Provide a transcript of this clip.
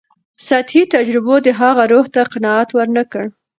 سطحي تجربو د هغه روح ته قناعت ورنکړ.